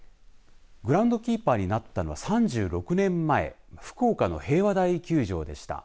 グラウンドキーパーになったのは３６年前福岡の平和台球場でした。